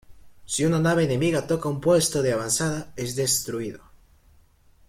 Si una nave enemiga toca un puesto de avanzada, es destruido.